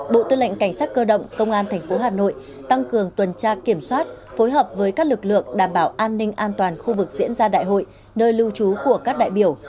bộ tư lệnh cảnh sát cơ động công an tp hà nội tăng cường tuần tra kiểm soát phối hợp với các lực lượng đảm bảo an ninh an toàn khu vực diễn ra đại hội nơi lưu trú của các đại biểu